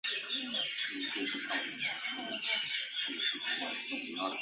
日本网藓为花叶藓科网藓属下的一个种。